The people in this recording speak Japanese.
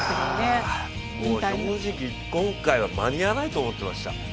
正直、今回は間に合わないと思っていました。